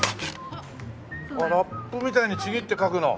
あっラップみたいにちぎって書くの。